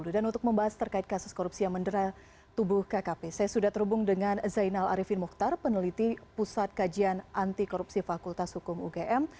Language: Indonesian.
dan untuk membahas terkait kasus korupsi yang mendera tubuh kkp saya sudah terhubung dengan zainal arifin mukhtar peneliti pusat kajian anti korupsi fakultas hukum ugm